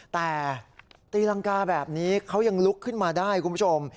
แต่ตีรังกาแบบนี้เขายังลุกขึ้นมาได้คุณผู้ชม